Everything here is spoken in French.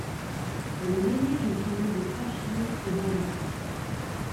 Elle est l'ainée d'une famille de trois filles et d'un garçon.